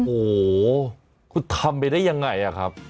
โอ้โหคุณทำไปได้ยังไงอะครับ